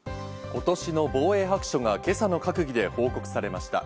今年の防衛白書が今朝の閣議で報告されました。